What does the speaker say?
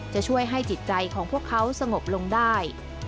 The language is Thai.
จะช่วยให้จิตใจของพวกเขาสงบลงได้